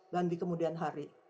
dan di kemudian hari